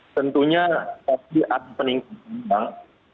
tentunya pasti ada peningkatan bang